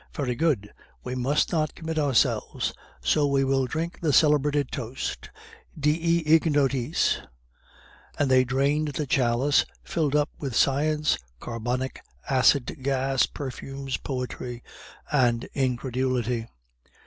"Very good; we must not commit ourselves; so we will drink the celebrated toast, Diis ignotis!" And they drained the chalice filled up with science, carbonic acid gas, perfumes, poetry, and incredulity.